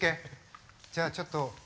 じゃあちょっと。